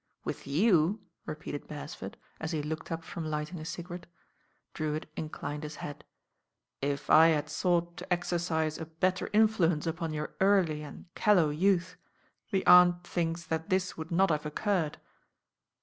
"With you!" repeated Beresford, as he looked up from lighting a cigarette. Drewitt inclined his head. "If I had sought to exercise a better influence upon your early and callow youth, the Aunt thinks that this would not have oc curred."